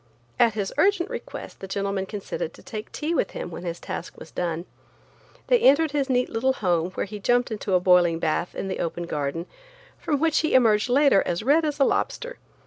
At his urgent request the gentleman consented to take tea with him when his task was done. They entered his neat little home while he jumped into a boiling bath in the open garden, from which he emerged later as red as a lobster.